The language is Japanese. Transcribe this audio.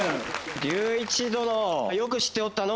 隆一殿よく知っておったのう。